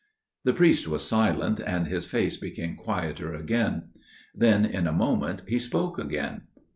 The priest was silent, and his face became quieter again. Then in a moment he spoke again.